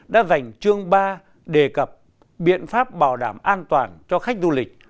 đã dành chương ba đề cập biện pháp bảo đảm an toàn cho khách du lịch